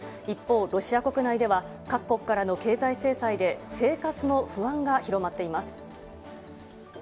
一方、ロシア国内では、各国からの経済制裁で生活の不安が広まっています。